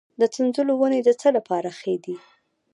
د سنځلو ونې د څه لپاره ښې دي؟